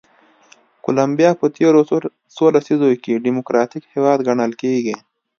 کولمبیا په تېرو څو لسیزو کې ډیموکراتیک هېواد ګڼل کېږي.